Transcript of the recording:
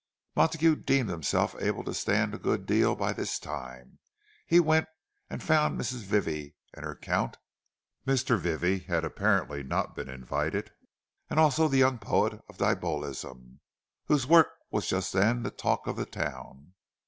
Montague deemed himself able to stand a good deal by this time. He went, and found Mrs. Vivie and her Count (Mr. Vivie had apparently not been invited) and also the young poet of Diabolism, whose work was just then the talk of the town.